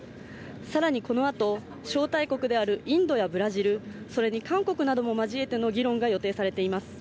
更にこのあと、招待国であるインドやブラジルそれに韓国なども交えての議論が予定されています。